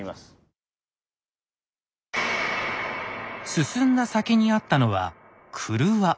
進んだ先にあったのは郭。